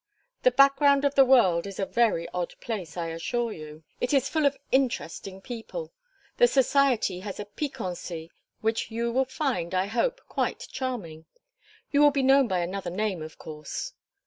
"The background of the world is a very odd place, I assure you. It is full of interesting people. The society has a piquancy which you will find, I hope, quite charming. You will be known by another name, of course?"